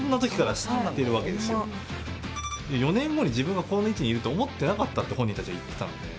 ４年後に自分がこの位置にいると思ってなかったって本人たちは言ってたので。